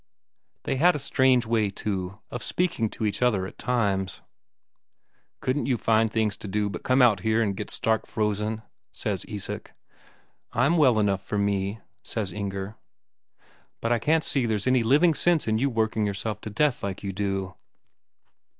They had a strange way, too, of speaking to each other at times. "Couldn't you find things to do but come out here and get stark frozen?" says Isak. "I'm well enough for me," says Inger. "But I can't see there's any living sense in you working yourself to death like you do."